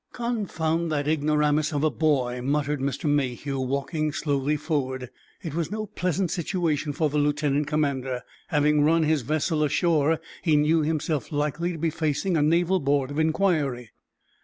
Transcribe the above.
"Confound that ignoramus of a boy!" muttered Mr. Mayhew, walking slowly forward. It was no pleasant situation for the lieutenant commander. Having run his vessel ashore, he knew himself likely to be facing a naval board of inquiry.